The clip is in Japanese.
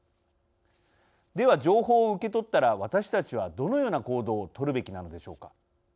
では、情報を受け取ったら私たちは、どのような行動を取るべきなのでしょうか。